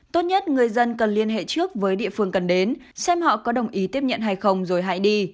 tốt nhất người dân cần liên hệ trước với địa phương cần đến xem họ có đồng ý tiếp nhận hay không rồi hãy đi